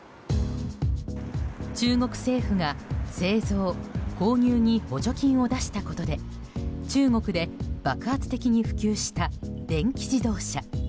中国政府が製造・購入に補助金を出したことで中国で、爆発的に普及した電気自動車。